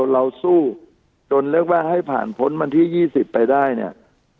เราสู้จนเรียกว่าให้ผ่านพ้นวันที่๒๐ไปได้เนี่ย